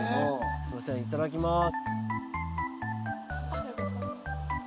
すいませんいただきます。